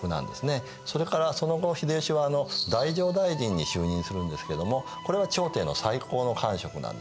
それからその後秀吉は太政大臣に就任するんですけどもこれは朝廷の最高の官職なんですね。